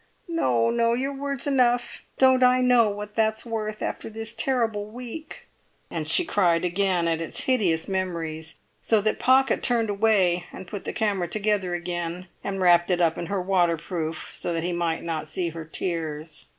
"No, no! Your word's enough. Don't I know what that's worth, after this terrible week?" And she cried again at its hideous memories, so that Pocket turned away and put the camera together again, and wrapped it up in her waterproof, so that he might not see her tears.